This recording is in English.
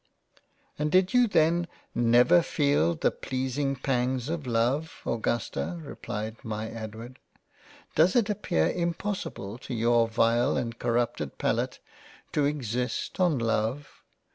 " And did you then never feel the pleasing Pangs of Love, Augusta ? (replied my Edward). Does it appear impossible to your vile and corrupted Palate, to exist on Love